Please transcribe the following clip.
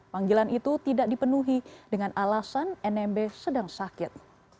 panggilan itu tidak dipenuhi dengan alasan nmb sedang sakit